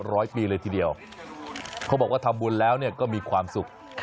ร้อยปีเลยทีเดียวเขาบอกว่าทำบุญแล้วก็มีความสุข